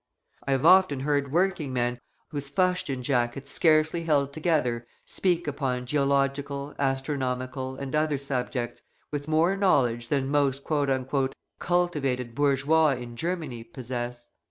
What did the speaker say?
I have often heard working men, whose fustian jackets scarcely held together, speak upon geological, astronomical, and other subjects, with more knowledge than most "cultivated" bourgeois in Germany possess.